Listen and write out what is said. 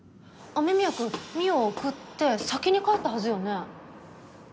雨宮くん望緒を送って先に帰ったはずよね。